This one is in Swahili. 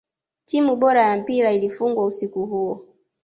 timu bora ya mpira ilifungwa usiku huo